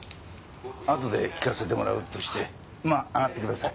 あとで聞かせてもらうとしてまぁ上がってください。